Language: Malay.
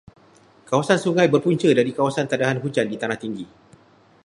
Kebanyakan sungai berpunca dari kawasan tadahan hujan di tanah tinggi.